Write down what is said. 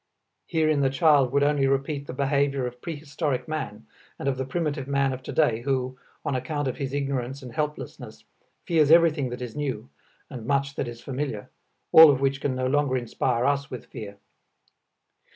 Herein the child would only repeat the behavior of prehistoric man and of the primitive man of today who, on account of his ignorance and helplessness, fears everything that is new, and much that is familiar, all of which can no longer inspire us with fear.